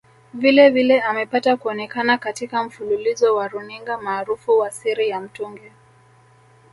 Vilevile amepata kuonekana katika mfululizo wa runinga maarufu wa Siri Ya Mtungi